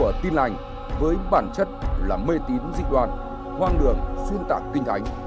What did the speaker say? và tin lành với bản chất là mê tín dịch đoàn hoang đường xuyên tạc kinh thánh